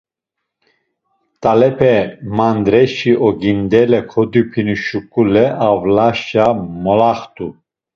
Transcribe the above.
Mt̆alepe mandreşi ogindele kodupinu şuǩule avlaşa molaxt̆u.